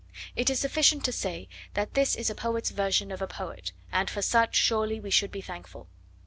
It is sufficient to say that this is a poet's version of a poet, and for such surely we should be thankful.